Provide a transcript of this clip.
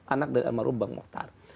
anak dari amarul bang mohtar